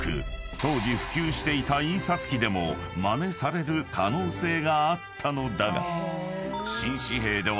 ［当時普及していた印刷機でもまねされる可能性があったのだが新紙幣では］